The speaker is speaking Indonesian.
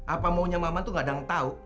apa maunya mama tuh gak ada yang tau